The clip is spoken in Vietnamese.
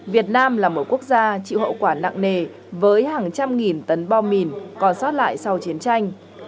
việt nam là một quốc gia chịu hậu quả nặng nề với hàng trăm nghìn tấn bom mìn còn sót lại sau chiến tranh